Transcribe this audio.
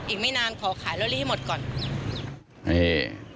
อีกไม่นานขอขายลอรี่ให้หมดก่อน